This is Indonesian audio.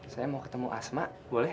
saya mau ketemu asma boleh